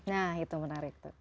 nah itu menarik tuh